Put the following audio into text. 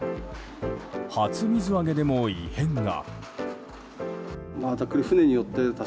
初水揚げでも異変が。